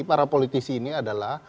para politisi ini adalah